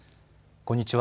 こんにちは。